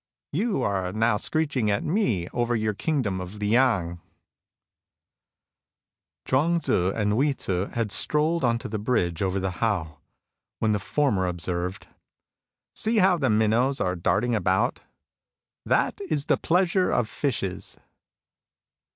Are you not screeching at me over your kingdom of Liang ?" Chuang Tzu and Hui Tzu had strolled on to the bridge over the Hao, when the former ob served :" See how the minnows are darting about ! That is the pleasure of fishes.''